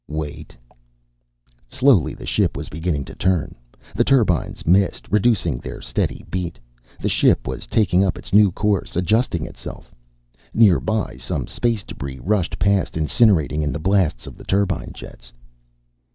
"Wait." Slowly, the ship was beginning to turn. The turbines missed, reducing their steady beat. The ship was taking up its new course, adjusting itself. Nearby some space debris rushed past, incinerating in the blasts of the turbine jets.